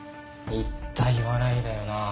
言った言わないだよな。